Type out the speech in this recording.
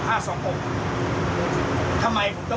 ทำไมผมต้องพูดอย่างนี้ล่ะครับ